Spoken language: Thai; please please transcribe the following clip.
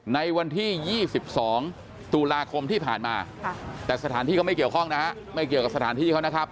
ในวันที่๒๒ตุลาคมที่ผ่านมาแต่สถานที่ก็ไม่เกี่ยวข้องนะฮะไม่เกี่ยวกับสถานที่เขานะครับ